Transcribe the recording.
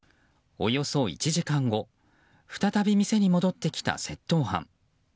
およそ１時間後再び店に戻ってきた窃盗犯。